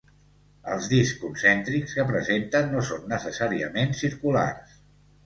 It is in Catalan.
Els discs concèntrics que presenten no són necessàriament circulars.